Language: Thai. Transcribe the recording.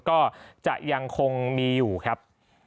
ก็จะยังคงมีอยู่ครับ